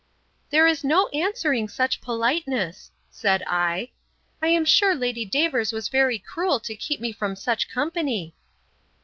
There is no answering such politeness, said I: I am sure Lady Davers was very cruel to keep me from such company.